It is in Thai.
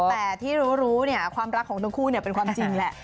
แต่ที่รู้ความรักของต้องคู่เนี่ยเป็นความจริงแหละ